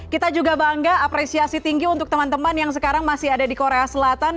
kita juga bangga apresiasi tinggi untuk teman teman yang sekarang masih ada di korea selatan